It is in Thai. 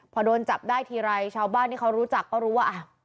พอโดนจับได้ทีไรชาวบ้านที่เขารู้จักก็รู้ว่า